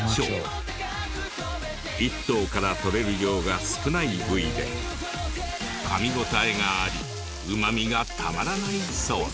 一頭からとれる量が少ない部位でかみ応えがありうまみがたまらないそうです。